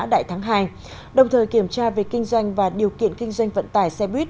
đại tháng hai đồng thời kiểm tra về kinh doanh và điều kiện kinh doanh vận tải xe buýt